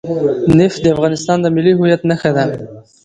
نفت د افغانستان د ملي هویت نښه ده.